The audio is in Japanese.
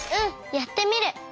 やってみる！